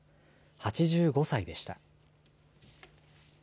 ８５歳でした。